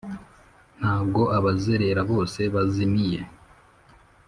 ntabwo abazerera bose bazimiye.